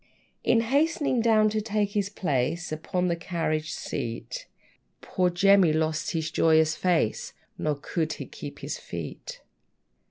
In hastening down to take his place Upon the carriage seat, Poor Jemmy lost his joyous face; Nor could he keep his feet.